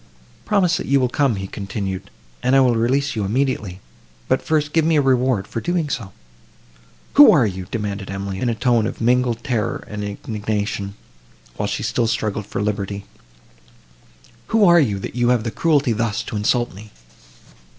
"Promise, that you will come," he continued, "and I will release you immediately; but first give me a reward for so doing." "Who are you?" demanded Emily, in a tone of mingled terror and indignation, while she still struggled for liberty—"who are you, that have the cruelty thus to insult me?"